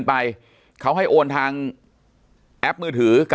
ปากกับภาคภูมิ